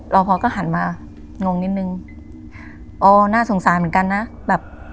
รอพอก็หันมางงนิดนึงอ๋อน่าสงสารเหมือนกันนะแบบ